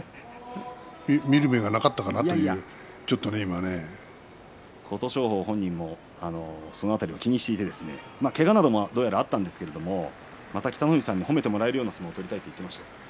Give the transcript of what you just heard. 見る目がなかったかなと琴勝峰本人もその辺りを気にしていてけがなどもどうやらあったんですけれどもまた北の富士さんに褒めてもらえるような相撲を取りたいと言っていました。